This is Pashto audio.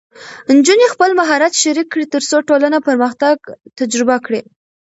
نجونې خپل مهارت شریک کړي، ترڅو ټولنه پرمختګ تجربه کړي.